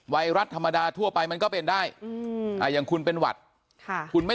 ไวรัสธรรมดาทั่วไปมันก็เป็นได้อย่างคุณเป็นหวัดคุณไม่